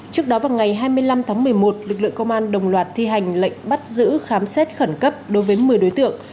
trước đó vào ngày hai mươi năm tháng một mươi một lực lượng công an đồng loạt thi hành lệnh bắt giữ khám xét khẩn cấp đối với một mươi đối tượng